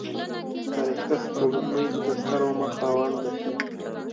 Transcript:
فرشته سپوږمۍ د دستر عمر خاونده شي.